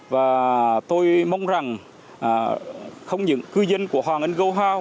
và tôi mong rằng không những cư dân của hoàng ấn gâu hao